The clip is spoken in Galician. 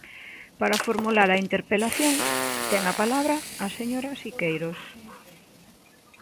Para formular a interpelación, ten a palabra a señora Siqueiros.